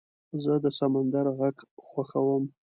زه د سمندر غږ خوښوم.